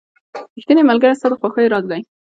• ریښتینی ملګری ستا د خوښیو راز دی.